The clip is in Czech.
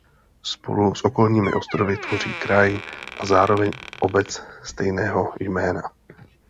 Spolu s okolními ostrovy tvoří kraj a zároveň obec stejného jména.